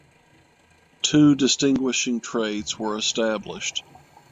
Two distinguishing traits were established.